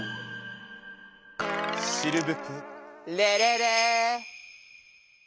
シルヴプレレレ！